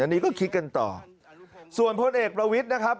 อันนี้ก็คิดกันต่อส่วนพลเอกประวิทย์นะครับ